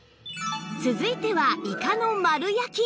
続いてはイカの丸焼き